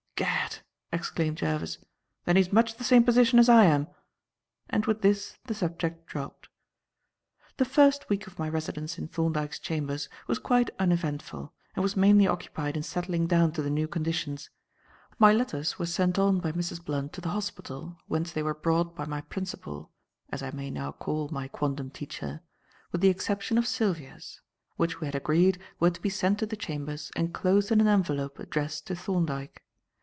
"Gad!" exclaimed Jervis, "then he is much the same position as I am." And with this the subject dropped. The first week of my residence in Thorndyke's chambers was quite uneventful, and was mainly occupied in settling down to the new conditions. My letters were sent on by Mrs. Blunt to the hospital whence they were brought by my principal as I may now call my quondam teacher with the exception of Sylvia's; which we had agreed were to be sent to the chambers enclosed in an envelope addressed to Thorndyke.